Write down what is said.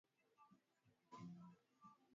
eneo hili linaundwa na milima ya volcano